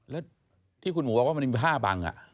แล้วที่คุณหมูบอกว่ามันมีผ้าบัง